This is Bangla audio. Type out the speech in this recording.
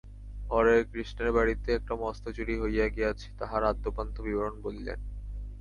হরেকৃষ্ণের বাড়িতে একটা মস্ত চুরি হইয়া গিয়াছে, তাহার আদ্যোপান্ত বিবরণ বলিলেন।